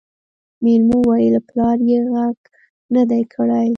مېلمو وويل پلار يې غږ نه دی کړی.